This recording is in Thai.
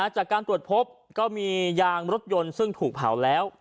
จากการตรวจพบก็มียางรถยนต์ซึ่งถูกเผาแล้ว